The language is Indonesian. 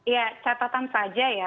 ya catatan saja ya